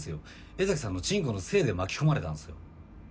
柄崎さんのチンコのせいで巻き込まれたんすよ。